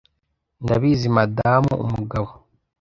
ndabizi madamu umugabo